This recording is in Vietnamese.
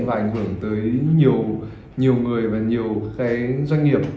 và ảnh hưởng tới nhiều người và nhiều cái doanh nghiệp